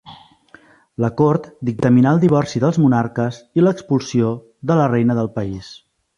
La Cort dictaminà el divorci dels monarques i l'expulsió de la reina del país.